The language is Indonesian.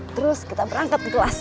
terus kita berangkat ke kelas